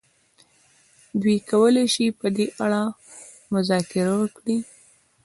دوی کولای شي په دې اړه مذاکره وکړي.